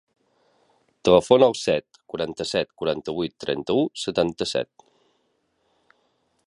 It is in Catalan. Telefona al set, quaranta-set, quaranta-vuit, trenta-u, setanta-set.